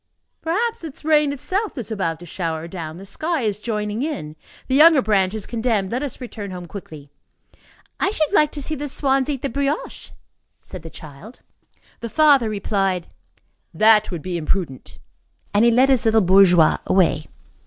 "Perhaps it is rain itself that is about to shower down; the sky is joining in; the younger branch is condemned. Let us return home quickly." "I should like to see the swans eat the brioche," said the child. The father replied: "That would be imprudent." And he led his little bourgeois away.